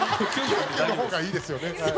「キュンキュン」のほうがいいですよね